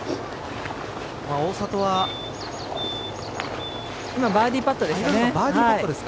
大里は今、バーディーパットです。